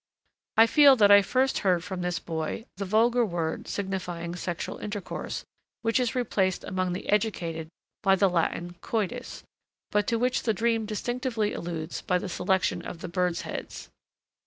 I feel that I first heard from this boy the vulgar word signifying sexual intercourse, which is replaced among the educated by the Latin "coitus," but to which the dream distinctly alludes by the selection of the birds' heads.